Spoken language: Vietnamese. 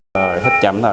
rồi hít chậm thôi